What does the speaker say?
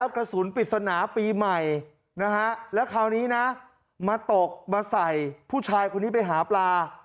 กระสุนปริศนาปีใหม่แล้วคราวนี้นะมาตกมาใส่ผู้ชายคนนี้ไปหาปลา